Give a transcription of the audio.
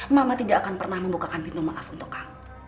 mama tidak akan pernah membukakan pintu maaf untuk kamu